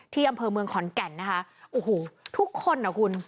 ที่อำเภอเมืองขอนแก่นนะคะโอ้โหทุกคนอ่ะคุณ